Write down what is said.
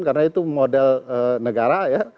karena itu model negara ya